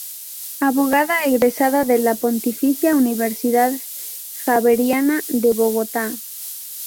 Abogada egresada de la Pontificia Universidad Javeriana de Bogotá.